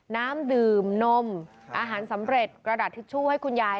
น้ำดื่มนมอาหารสำเร็จกระดาษทิชชู่ให้คุณยาย